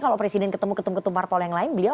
kalau presiden ketemu ketum ketum parpol yang lain beliau